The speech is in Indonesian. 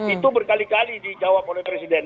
itu berkali kali dijawab oleh presiden